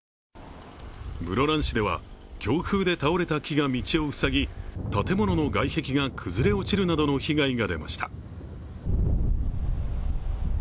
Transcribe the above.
室蘭市では強風で倒れた木が道を塞ぎ、建物の外壁が崩れ落ちるなどの被害が出ました。